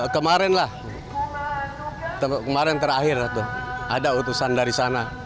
kemarin lah kemarin terakhir ada utusan dari sana